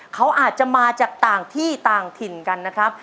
เขาอาจจะมาจากต่างที่ต่างถิ่นกันนะครับ